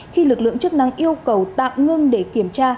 khi lực lượng chức năng yêu cầu tạm ngưng để kiểm tra